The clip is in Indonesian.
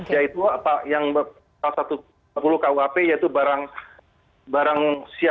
yaitu apa yang pasal satu ratus tujuh puluh kuhp yaitu barang